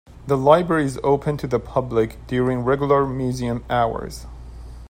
The library is open to the public during regular museum hours.